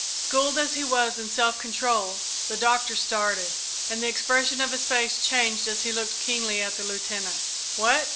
Schooled as he was in self control, the Doctor started, and the expression of his face changed as he looked keenly at the Lieutenant. "What!"